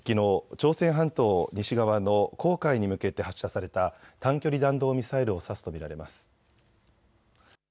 朝鮮半島西側の黄海に向けて発射された短距離弾道ミサイルを指すと見られます。